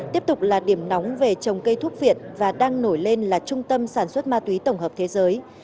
tiếp tục là điểm nóng về trồng cây thuốc viện và đang nổi lên là trung tâm sản xuất ma túy tổng hợp thế giới